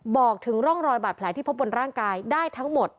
บอกถึงร่องรอยบาดแผลที่พบบนร่างกายได้ทั้งหมด